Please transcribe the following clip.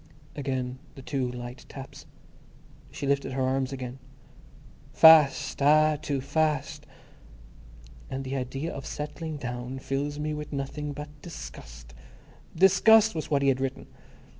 Again the two light taps; she lifted her arms again. Fast! Ah, too Fast. "... and the idea of settling down fills me with nothing but disgust—" Disgust was what he had written.